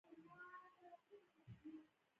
ساقي کوټ واغوست او په ګډه له هوټل څخه رهي شوو.